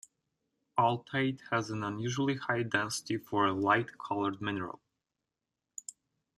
Altaite has an unusually high density for a light-colored mineral.